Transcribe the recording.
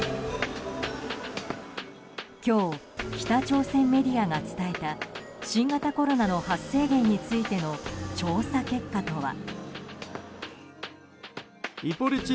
今日、北朝鮮メディアが伝えた新型コロナの発生源についての調査結果とは。